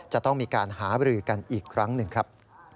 จะต้องมีการหาบรือกันอีกครั้งหนึ่งครับ